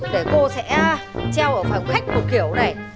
để cô sẽ treo ở phòng khách của kiểu này